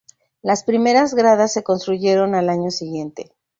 Las primeras gradas se construyeron al año siguiente.